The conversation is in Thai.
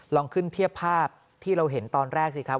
ลองขึ้นเทียบภาพที่เราเห็นตอนแรกสิครับ